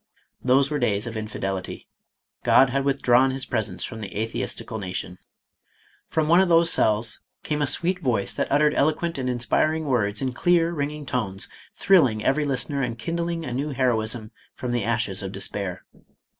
Those were days of infidelity ; God had withdrawn his presence from the atheistical na tion. From one of those cells came a sweet voice that ut tered eloquent and inspiring words in clear, ringing tones, thrilling every listener, and kindling a new he roism from the ashes of despair.